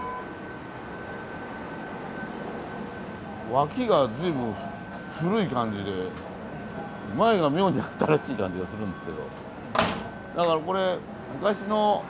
脇が随分古い感じで前が妙に新しい感じがするんですけど。